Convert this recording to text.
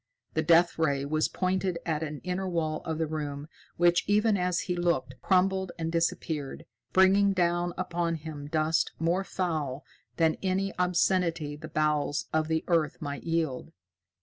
The Death Ray was pointed at an inner wall of the room, which, even as he looked, crumbled and disappeared, bringing down upon him dust more foul than any obscenity the bowels of the earth might yield.